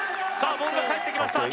ボールがかえってきました